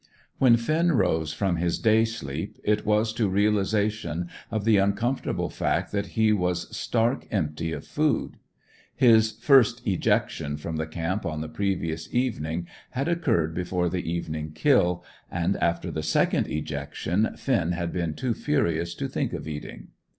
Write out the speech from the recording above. When Finn rose from his day sleep it was to realization of the uncomfortable fact that he was stark empty of food. (His first ejection from the camp on the previous evening had occurred before the evening kill, and, after the second ejection, Finn had been too furious to think of eating.)